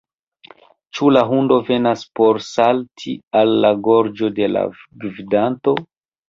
Ĉu la hundo venas por salti al la gorĝo de la gvidanto?